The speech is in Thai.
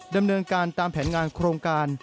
ดำเนินการตามแผนงานโครงการ